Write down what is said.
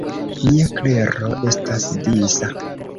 Mia klero estas disa.